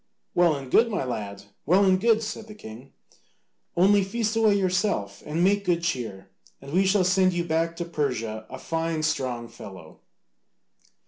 "Well and good, my lad, well and good," said the king, "only feast away yourself and make good cheer, and we shall send you back to Persia a fine strong fellow."